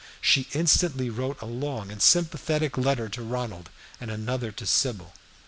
She instantly wrote a long and sympathetic letter to Ronald, and another to Sybil.